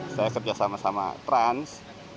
saya kerja sama sama trans